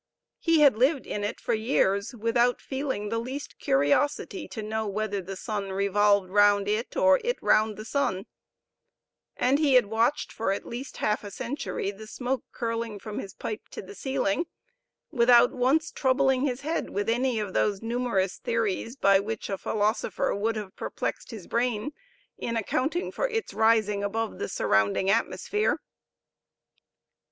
He had lived in it for years, without feeling the least curiosity to know whether the sun revolved round it, or it round the sun; and he had watched for at least half century the smoke curling from his pipe to the ceiling, without once troubling his head with any of those numerous theories by which a philosopher would have perplexed his brain in accounting for its rising above the surrounding atmosphere.